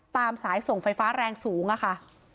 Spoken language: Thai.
ตามสายส่งไฟฟ้าแรงสูงอะค่ะ